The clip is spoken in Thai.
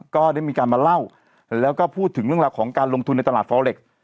ก็ได้มีการมาเล่าแล้วก็พูดถึงเรื่องราวของการลงทุนในตลาดฟอเล็ก